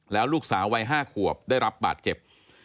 แล้วลูกสาววัย๕ขวบได้รับบาดเจ็บ